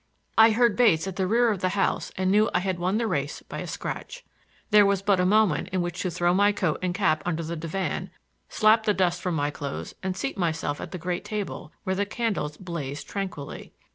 I heard Bates at the rear of the house and knew I had won the race by a scratch. There was but a moment in which to throw my coat and cap under the divan, slap the dust from my clothes and seat myself at the great table, where the candles blazed tranquilly.